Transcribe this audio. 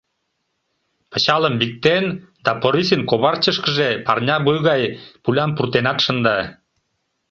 Пычалым виктен да Порисын коварчышкыже парня вуй гай пулям пуртенат шында...